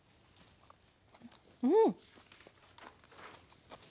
うん！